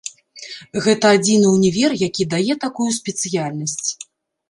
Гэта адзіны ўнівер, які дае такую спецыяльнасць.